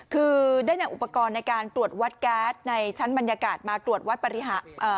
คือได้นำอุปกรณ์ในการตรวจวัดแก๊สในชั้นบรรยากาศมาตรวจวัด